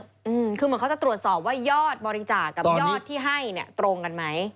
อืมคือเหมือนเขาจะตรวจสอบว่ายอดบริจาคกับยอดที่ให้เนี้ยตรงกันไหม